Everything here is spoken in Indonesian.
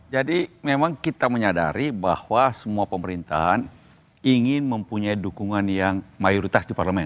jadi memang kita menyadari bahwa semua pemerintahan ingin mempunyai dukungan yang mayoritas di parlemen